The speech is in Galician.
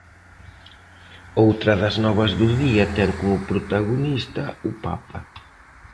Outra das novas do día ten como protagonista o Papa.